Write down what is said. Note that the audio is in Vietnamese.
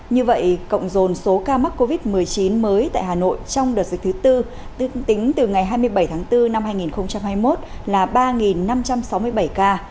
như vậy cộng dồn số ca mắc covid một mươi chín mới tại hà nội trong đợt dịch thứ tư tính từ ngày hai mươi bảy tháng bốn năm hai nghìn hai mươi một là ba năm trăm sáu mươi bảy ca